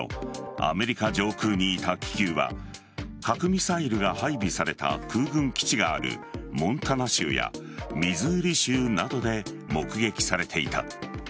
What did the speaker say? アメリカ上空にいた気球は核ミサイルが配備された空軍基地があるモンタナ州やミズーリ州などで目撃されていた。